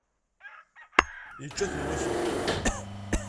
Yečča-ten wakal.